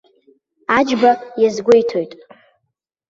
Аџьба иазгәеиҭоит.